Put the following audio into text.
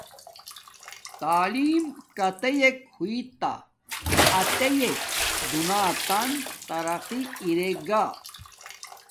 تعلیم کاتیک ہوݵ تا آتیک دوناتن ترقی ارے گا